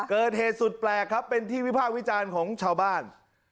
เกิดเหตุสุดแปลกครับเป็นที่วิพากษ์วิจารณ์ของชาวบ้าน